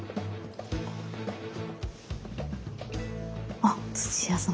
あ土屋さん